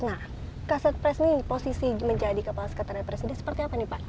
nah kaset pres ini posisi menjadi kepala sekretariat presiden seperti apa nih pak